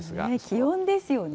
気温ですよね。